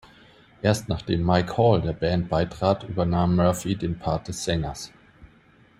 Erst nachdem Mike Hall der Band beitrat, übernahm Murphy den Part des Sängers.